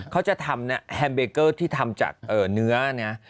เข้าจะทำ๙๙ที่ทำจากเนื้อเนี่ย